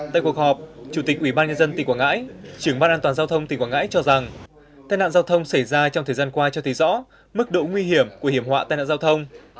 tại cuộc họp chủ tịch ủy ban nhân dân tỉnh quảng ngãi trưởng ban an toàn giao thông tỉnh quảng ngãi cho rằng tai nạn giao thông xảy ra trong thời gian qua cho thấy rõ mức độ nguy hiểm của hiểm họa tai nạn giao thông